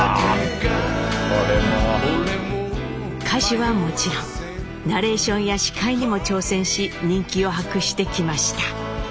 歌手はもちろんナレーションや司会にも挑戦し人気を博してきました。